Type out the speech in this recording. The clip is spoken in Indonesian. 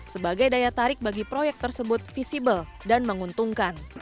sebagai daya tarik bagi proyek tersebut visible dan menguntungkan